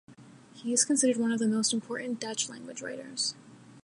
He is considered one of the most important Dutch language writers.